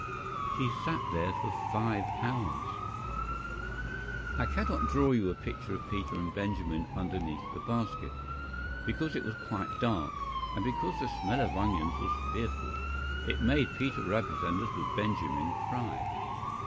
SHE sat there for FIVE HOURS. I cannot draw you a picture of Peter and Benjamin underneath the basket, because it was quite dark, and because the smell of onions was fearful; it made Peter Rabbit and little Benjamin cry.